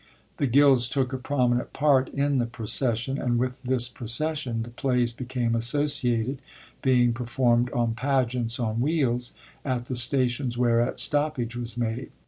The gilds took a prominent part in the procession, and with this procession the plays became associated, being per f ormd on ' pageants * on wheels, at the stations whereat stoppage was made.